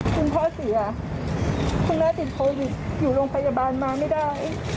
คุณพ่อเสียคุณแม่ติดโควิดอยู่โรงพยาบาลมาไม่ได้